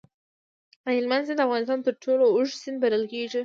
د هلمند سیند د افغانستان تر ټولو اوږد سیند بلل کېږي.